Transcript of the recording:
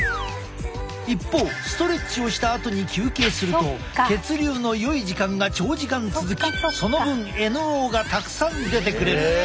一方ストレッチをしたあとに休憩すると血流のよい時間が長時間続きその分ＮＯがたくさん出てくれる。